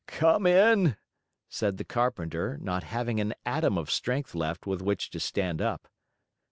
"Come in," said the carpenter, not having an atom of strength left with which to stand up.